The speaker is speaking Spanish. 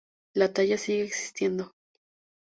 La talla sigue existiendo.